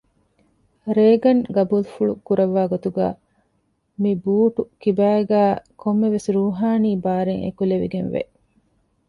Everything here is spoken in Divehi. ރޭގަން ޤަބޫލު ފުޅު ކުރައްވާ ގޮތުގައި މި ބޫޓު ކިބައިގައި ކޮންމެވެސް ރޫޙާނީ ބާރެއް އެކުލެވިގެން ވެ